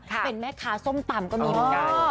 เป็นแม่คาส้มตำก็มีบางการ